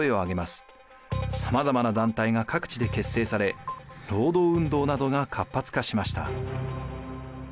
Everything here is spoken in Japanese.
さまざまな団体が各地で結成され労働運動などが活発化しました。